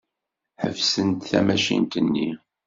Ḥebsent tamacint-nni.